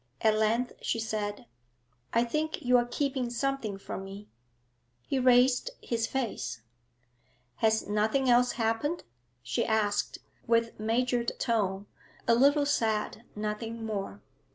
At length she said 'I think you are keeping something from me?' He raised his face. 'Has nothing else happened?' she asked, with measured tone, a little sad, nothing more.